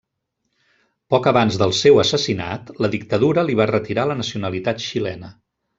Poc abans del seu assassinat, la dictadura li va retirar la nacionalitat xilena.